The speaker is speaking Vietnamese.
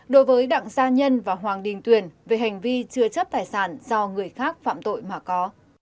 đối với đặng gia nhân và hoàng đình tuyển về hành vi chưa chấp tài sản do người khác phạm tội mà có